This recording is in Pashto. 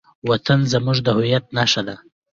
وطن زموږ د هویت نښه ده.